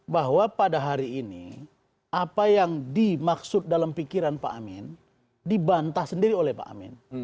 bahwa pada hari ini apa yang dimaksud dalam pikiran pak amin dibantah sendiri oleh pak amin